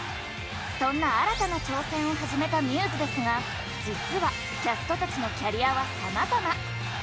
そんな新たな挑戦を始めたμ’ｓですが実はキャストたちのキャリアはさまざま。